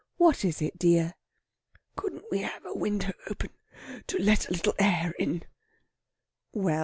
"What is it, dear?" "Couldn't we have a window open to let a little air in?" Well!